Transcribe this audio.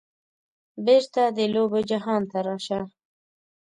بیرته د لوبو جهان ته راشه